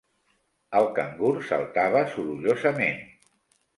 El cangur saltava sorollosament.